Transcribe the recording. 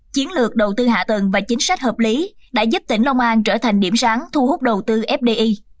chiến lược đầu tư hạ tầng và chính sách hợp lý đã giúp tỉnh long an trở thành điểm sáng thu hút đầu tư fdi